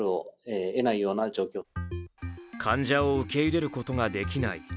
患者を受け入れることができない。